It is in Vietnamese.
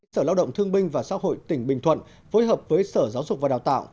sở lao động thương binh và xã hội tỉnh bình thuận phối hợp với sở giáo dục và đào tạo